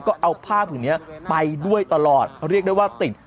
ก็เอาผ้าผึ่งเนี้ยไปด้วยตลอดเรียกได้ว่าติด